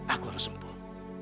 aku harus sembuh